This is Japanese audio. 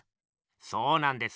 そうなんです。